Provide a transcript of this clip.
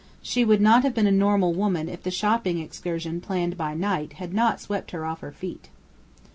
She would not have been a normal woman if the shopping excursion planned by Knight had not swept her off her feet.